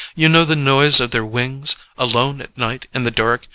. you know the noise of their wings—alone, at night, in the dark?